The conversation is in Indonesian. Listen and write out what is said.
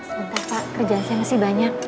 sebentar pak kerjaan saya masih banyak